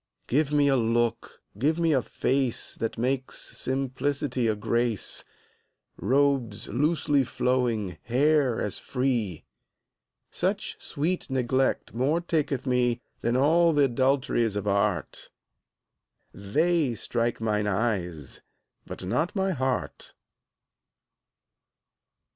Give me a look, give me a face That makes simplicity a grace; Robes loosely flowing, hair as free: Such sweet neglect more taketh me 10 Than all th' adulteries of art; They strike mine eyes, but not my heart.